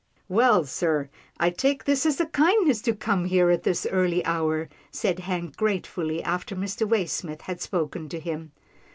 " Well, sir, I take this as a kindness to come here at this early hour," said Hank gratefully, after Mr. Waysmith had spoken to him.